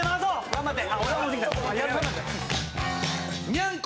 頑張って！